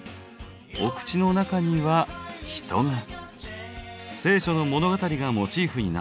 お口の中には人が。